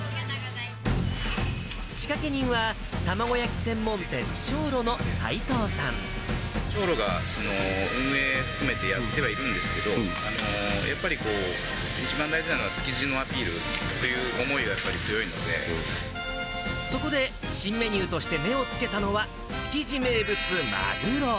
仕掛け人は、卵焼き専門店、松露が運営含めてやってはいるんですけど、やっぱり一番大事なのは築地のアピールという思いがやっぱり強いそこで、新メニューとして目をつけたのは、築地名物マグロ。